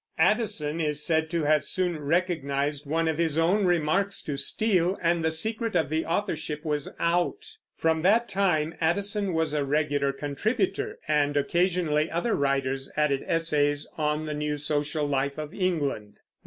Addison is said to have soon recognized one of his own remarks to Steele, and the secret of the Authorship was out. From that time Addison was a regular contributor, and occasionally other writers added essays on the new social life of England.